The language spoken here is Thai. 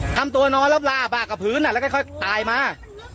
ทำตัวนอนแล้วลาบากกับพื้นแล้วก็ค่อยตายมา